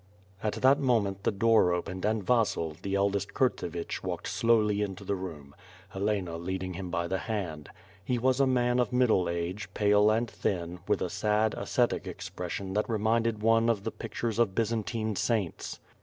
At that moment the door opened and Vasil, the eldest Kurt sevich walked slowly into the room, Helena leading him by the hand. He was a man of middle age, pale and thin, with a sad, ascetic expression that reminded one of the pictures of Byzantine saints.